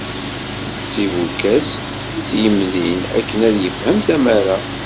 D tibukas i t-yemdin akken ad yefhem tamara.